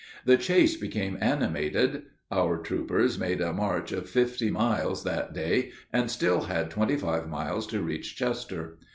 The chase became animated. Our troopers made a march of fifty miles that day and still had twenty five miles to reach Chester.